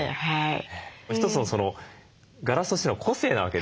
一つのガラスとしての個性なわけですよね。